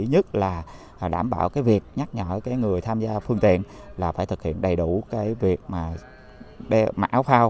nhất là đảm bảo việc nhắc nhở người tham gia phương tiện là phải thực hiện đầy đủ việc mạng áo phao